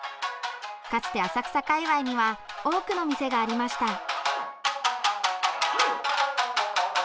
かつて浅草界わいには多くの店がありました。